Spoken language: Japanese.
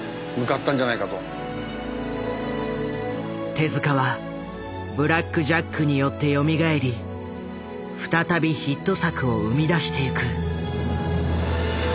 手は「ブラック・ジャック」によってよみがえり再びヒット作を生み出していく。